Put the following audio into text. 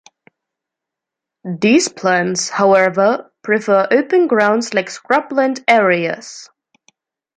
These plants, however, prefer open grounds like scrubland areas.